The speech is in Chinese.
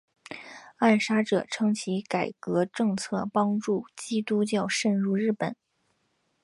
暗杀者称其改革政策帮助基督教渗入日本。